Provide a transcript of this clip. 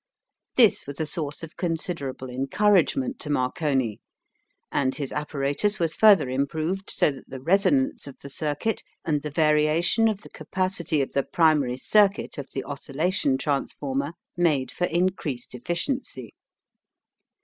This was a source of considerable encouragement to Marconi, and his apparatus was further improved so that the resonance of the circuit and the variation of the capacity of the primary circuit of the oscillation transformer made for increased efficiency.